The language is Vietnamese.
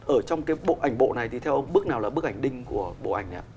ở trong cái bộ ảnh bộ này thì theo ông bước nào là bức ảnh đinh của bộ ảnh ạ